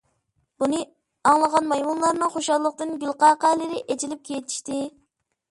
بۇنى ئاڭلىغان مايمۇنلارنىڭ خۇشاللىقتىن گۈلقەقەلىرى ئېچىلىپ كېتىشتى.